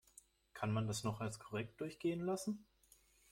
Kann man das noch als korrekt durchgehen lassen?